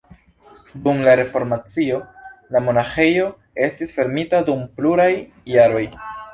Dum la reformacio la monaĥejo estis fermita dum pluraj jaroj.